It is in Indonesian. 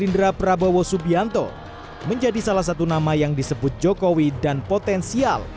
gerindra prabowo subianto menjadi salah satu nama yang disebut jokowi dan potensial